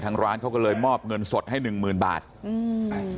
ร้านเขาก็เลยมอบเงินสดให้หนึ่งหมื่นบาทอืม